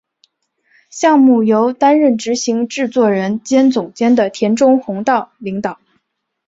项目由担任执行制作人兼总监的田中弘道领导。